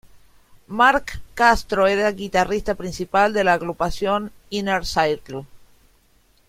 Mark Castro era el guitarrista principal de la agrupación Inner Circle.